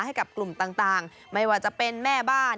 ให้กับกลุ่มต่างไม่ว่าจะเป็นแม่บ้าน